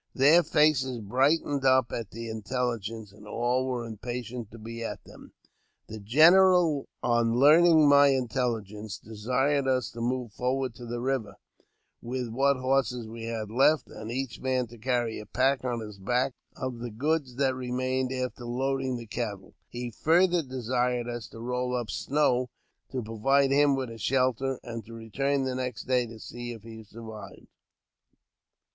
Their faces brightened up at the intelligence, and all were im patient to be at them. The general, on learning my intelligence, desired us to move forward to the river with what horses we had left, and each man to carry a pack on his back of the goods that remained after loading the cattle. He farther desired us to roll up snow to provide him with a shelter, and to return the next day to see if he survived.